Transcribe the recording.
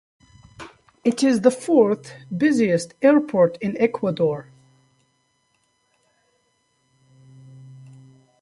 It is the fourth-busiest airport in Ecuador.